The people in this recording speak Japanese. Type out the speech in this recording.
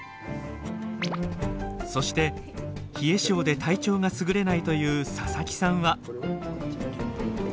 そして冷え症で体調がすぐれないという佐々木さんは。